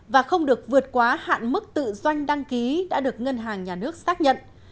và không được vượt quá hạn mức tự doanh đăng ký đã được ngân hàng nhà nước xác nhận